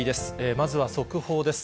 まずは速報です。